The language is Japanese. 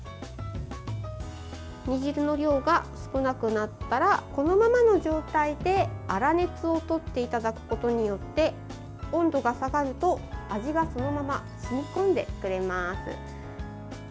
煮汁の量が少なくなったらこのままの状態で、粗熱をとっていただくことによって温度が下がると味がそのまま染み込んでくれます。